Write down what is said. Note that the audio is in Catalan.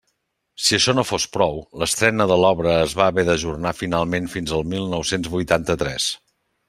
Si això no fos prou, l'estrena de l'obra es va haver d'ajornar finalment fins al mil nou-cents vuitanta-tres.